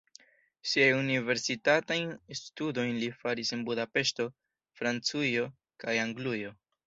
Siajn universitatajn studojn li faris en Budapeŝto, Francujo kaj Anglujo.